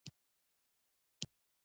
چټک پایله تل ښه نه وي.